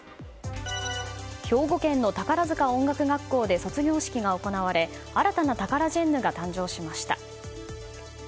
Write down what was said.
兵庫県の宝塚音楽学校で卒業式が行われ新たなタカラジェンヌが誕生しました。